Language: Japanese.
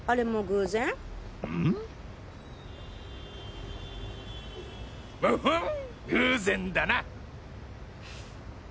偶然だな！